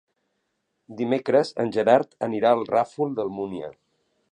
Dimecres en Gerard anirà al Ràfol d'Almúnia.